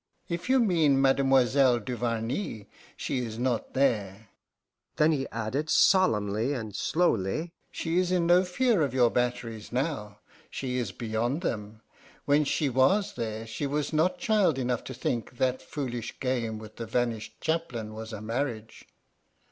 "If you mean Mademoiselle Duvarney, she is not there." Then he added solemnly and slowly: "She is in no fear of your batteries now she is beyond them. When she was there, she was not child enough to think that foolish game with the vanished chaplain was a marriage.